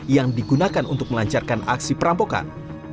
yang digunakan untuk melancarkan aksi perampokan